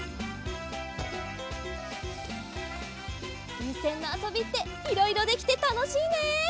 ふうせんのあそびっていろいろできてたのしいね！